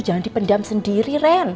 jangan dipendam sendiri ren